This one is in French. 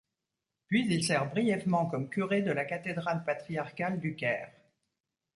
Puis il sert brièvement comme curé de la cathédrale patriarcal du Caire.